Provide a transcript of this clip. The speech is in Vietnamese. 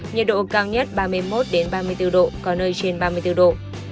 nhiệt độ cao nhất ba mươi một ba mươi bốn độ có nơi trên ba mươi bốn độ